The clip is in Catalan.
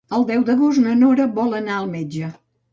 El deu d'agost na Nora vol anar al metge.